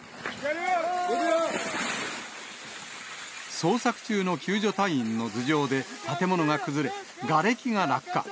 捜索中の救助隊員の頭上で建物が崩れ、がれきが落下。